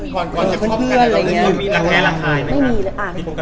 ก่อนจะคบกันมีละแคะละคายไหมคะมีคบกันมา